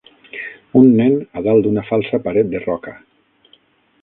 Un nen a dalt d'una falsa paret de roca.